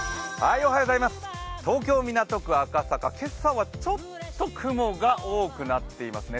東京・港区赤坂、今朝はちょっと雲が多くなっていますね。